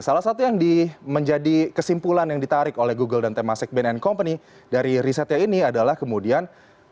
salah satu yang menjadi kesimpulan yang ditarik oleh google dan temasek bnn company dari risetnya ini adalah kemudian